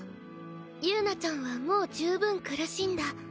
友奈ちゃんはもう十分苦しんだ。